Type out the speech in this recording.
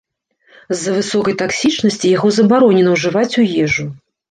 З-за высокай таксічнасці яго забаронена ўжываць у ежу.